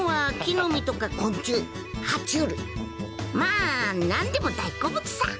まあ何でも大好物さ！